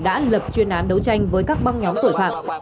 đã lập chuyên án đấu tranh với các băng nhóm tội phạm